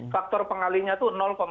faktor pengalinya itu sembilan puluh sembilan